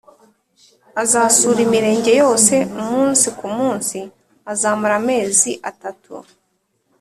Azasura imirenge yose umunsi ku munsi azamara amezi atatu